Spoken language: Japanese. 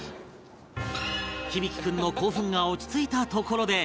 響大君の興奮が落ち着いたところで本題へ